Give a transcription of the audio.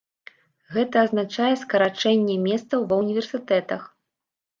Гэта азначае скарачэнне месцаў ва ўніверсітэтах.